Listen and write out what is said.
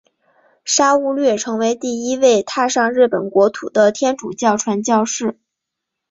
沙勿略成为第一位踏上日本国土的天主教传教士。